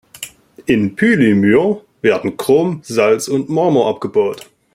In Pülümür werden Chrom, Salz und Marmor abgebaut.